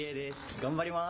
頑張ります。